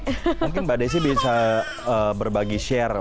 mungkin mbak desi bisa berbagi share